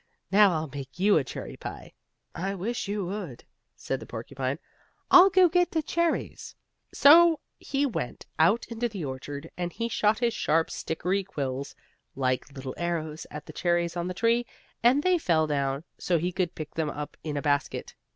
Now, I'll make you a cherry pie." "I wish you would," said the porcupine. "I'll go get the cherries." So he went out in the orchard, and he shot his sharp stickery quills, like little arrows at the cherries on the tree, and they fell down, so he could pick them up in a basket.